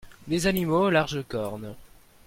Des animaux aux larges cornes.